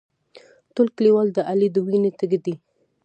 ټول کلیوال د علي د وینې تږي دي.